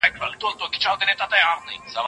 یوازېتوب د انسان اعصاب خرابوي.